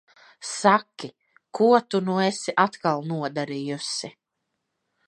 Saki, ko tu nu esi atkal nodarījusi?